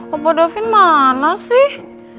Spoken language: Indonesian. bapak davin mana sih